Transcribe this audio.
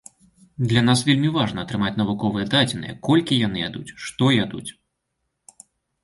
Для нас вельмі важна атрымаць навуковыя дадзеныя, колькі яны ядуць, што ядуць.